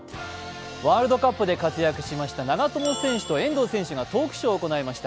ワールドカップで活躍しました長友選手と遠藤選手がトークショーを行いました。